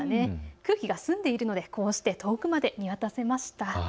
空気が澄んでいるのでこうして遠くまで見渡せました。